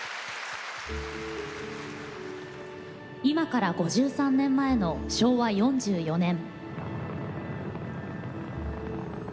今から５３年前の昭和４４年。